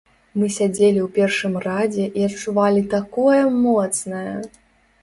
Мы сядзелі ў першым радзе і адчувалі такое моцнае!